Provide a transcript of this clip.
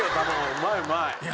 うまいうまい。